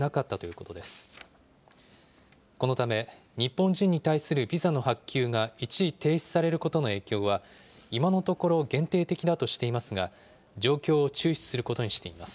このため、日本人に対するビザの発給が一時停止されることの影響は、今のところ限定的だとしていますが、状況を注視することにしています。